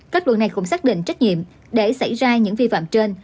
kết luận này cũng xác định trách nhiệm để xảy ra những vi phạm trên